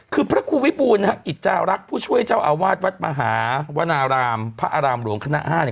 คือพระคู่วิบูรกระกิจลักษณ์รักผู้ช่วยเจ้าอวาสวัสดุมหาวันลามพระอารามหลวงครรภ์ข้างหน้าห้า